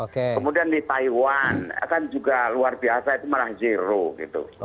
kemudian di taiwan kan juga luar biasa itu malah zero gitu